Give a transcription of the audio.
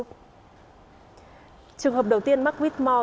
trường hợp đầu tiên mắc whitmore